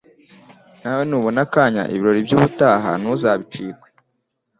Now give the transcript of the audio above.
nawe nubona akanya ibirori by'ubutaha ntuzabicikwe